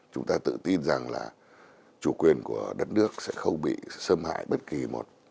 chúng ta tự tin rằng là chủ quyền của đất nước sẽ không bị xâm hại bất kỳ một